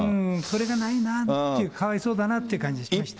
それがないなっていう、かわいそうだなっていう感じがしました。